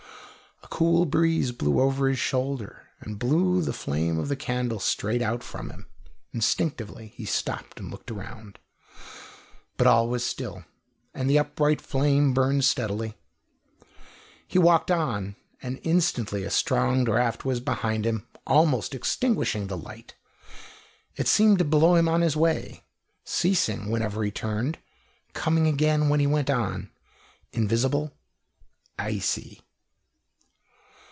A cool breeze blew over his shoulder and blew the flame of his candle straight out from him. Instinctively he stopped and looked round, but all was still, and the upright flame burned steadily. He walked on, and instantly a strong draught was behind him, almost extinguishing the light. It seemed to blow him on his way, ceasing whenever he turned, coming again when he went on invisible, icy.